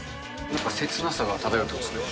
切なさが漂ってますね。